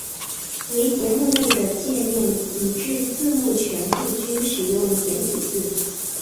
唯节目内的介面以至字幕全部均使用简体字。